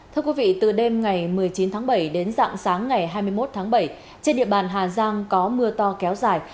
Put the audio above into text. thưa quý vị từ đêm ngày một mươi chín tháng bảy đến dạng sáng ngày hai mươi một tháng bảy trên địa bàn hà giang có mưa to kéo dài